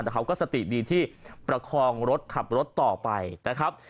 แต่เขาก็สติดีที่ประคองรถขับรถต่อไปนะครับ